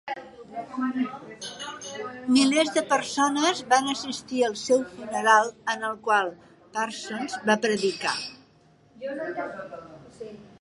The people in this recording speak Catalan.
Milers de persones van assistir al seu funeral, en el qual Parsons va predicar.